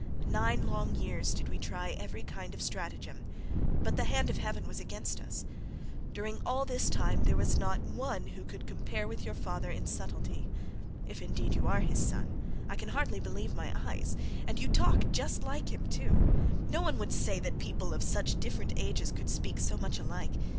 Nine long years did we try every kind of stratagem, but the hand of heaven was against us; during all this time there was no one who could compare with your father in subtlety—if indeed you are his son—I can hardly believe my eyes—and you talk just like him too—no one would say that people of such different ages could speak so much alike.